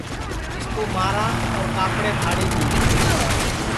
اِس کُو مارا اور کاپڑے پھاڑی دِیئے